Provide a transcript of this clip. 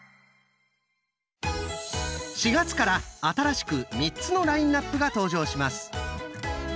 ４月から新しく３つのラインナップが登場します！